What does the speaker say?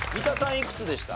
いくつでした？